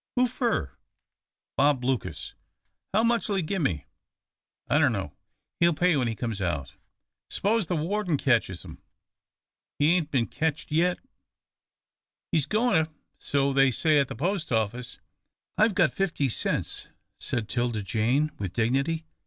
"Who fur?" "Bob Lucas." "How much'll he gimme?" "I dunno. He'll pay when he comes out." "S'pose the warden ketches him?" "He ain't bin ketched yit." "He's goin' to so they say at the post office." "I've got fifty cents," said 'Tilda Jane, with dignity.